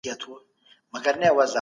د دې نبات راټولول ډېر زحمت او وخت غواړي.